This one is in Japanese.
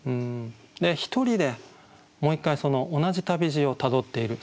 ひとりでもう一回同じ旅路をたどっている。